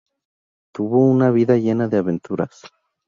Tuvo una vida llena de aventuras.